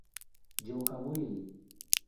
Joka wulinyi